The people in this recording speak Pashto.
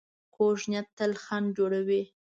کوږ نیت تل خنډ جوړوي